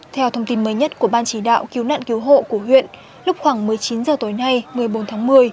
theo thông tin mới nhất của ban chỉ đạo cứu nạn cứu hộ của huyện lúc khoảng một mươi chín h tối nay một mươi bốn tháng một mươi